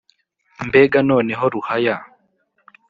mbega noneho ruhaya